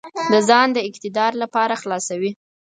د ځان د اقتدار لپاره خلاصوي.